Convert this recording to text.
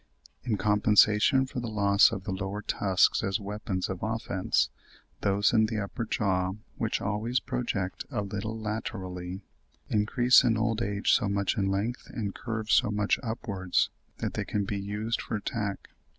In compensation for the loss of the lower tusks as weapons of offence, those in the upper jaw, which always project a little laterally, increase in old age so much in length and curve so much upwards that they can be used for attack.